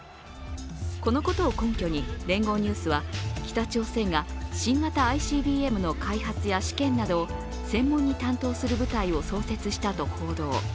このことを根拠に、聯合ニュースは北朝鮮が新型ＩＣＢＭの開発や試験などを専門に担当する部隊を創設したと報道。